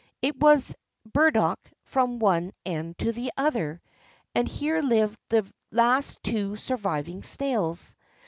It was burdock from one end to the other; and here lived the last two surviving snails.